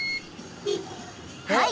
はい！